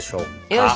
よし！